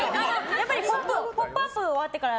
やっぱり「ポップＵＰ！」が終わってから。